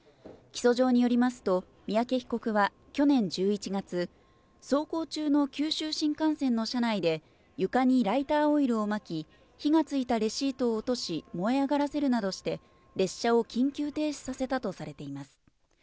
起訴状によりますと、三宅被告は、去年１１月、走行中の九州新幹線の車内で、床にライターオイルをまき、火がついたレシートを落とし、燃え上がらせるなどして、列車を緊急停止させたとされています。